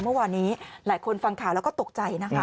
เมื่อวานนี้หลายคนฟังข่าวแล้วก็ตกใจนะคะ